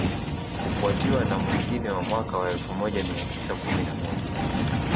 kufuatiwa na mwingine wa mwaka wa elfu moja mia tisa kumi na moja